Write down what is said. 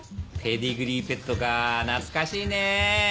ペディグリーペットかぁ懐かしいね。